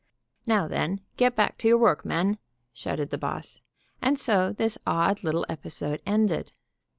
"Now, then, get back to your work, men!" shouted the boss, and so this odd little episode ended.